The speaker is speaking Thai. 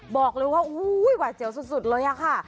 บอกเลยว่าหวาดเสียวสุดเลยอะค่ะ